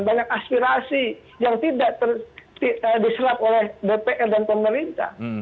banyak aspirasi yang tidak diserap oleh dpr dan pemerintah